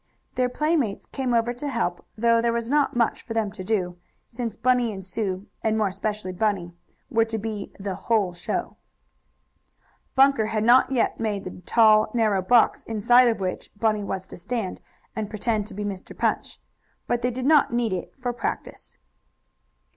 Their playmates came over to help, though there was not much for them to do, since Bunny and Sue (and more especially Bunny) were to be the "whole show." Banker had not yet made the tall, narrow box, inside of which Bunny was to stand, and pretend to be Mr. Punch, but they did not need it for practice.